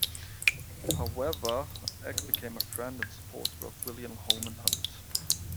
However Egg became a friend and supporter of William Holman Hunt.